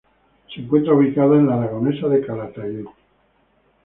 Se encuentra ubicada en la aragonesa de Calatayud.